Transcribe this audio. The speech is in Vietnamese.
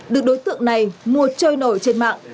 được đối tượng này mua trôi nổi trên mạng